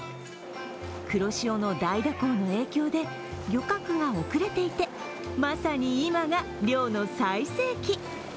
黒潮の大蛇行の影響で漁獲が遅れていてまさに今が漁の最盛期。